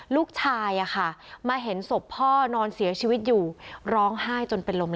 ลูกชายมาเห็นศพพ่อนอนเสียชีวิตอยู่ร้องไห้จนเป็นลม